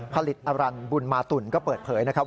ผลิตอรันบุญมาตุ๋นก็เปิดเผยนะครับ